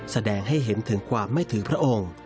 แสดงให้เห็นถึงความไม่ถือพระองค์